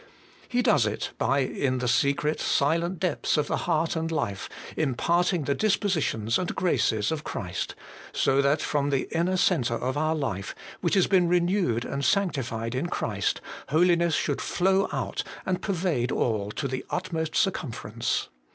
He does it by, in the secret silent depths of the heart and life, imparting the dispositions and graces of Christ, so that from the inner centre of our life, which has been renewed and sanctified in Christ, THE HOLY SPIRIT. 137 holiness should flow out and pervade all to the utmost circumference.